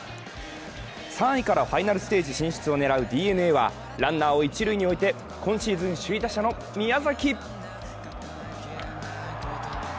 ３位からファイナルステージ進出を狙うＤｅＮＡはランナーを一塁に置いて、今シーズン首位打者の宮崎。